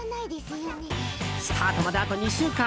スタートまで、あと２週間！